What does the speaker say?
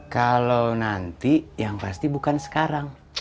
kalau nanti yang pasti bukan sekarang